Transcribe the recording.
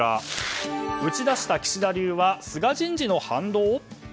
打ち出した岸田流は菅人事の反動？